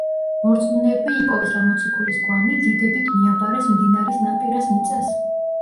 მორწმუნეებმა იპოვეს რა მოციქულის გვამი, დიდებით მიაბარეს მდინარის ნაპირას მიწას.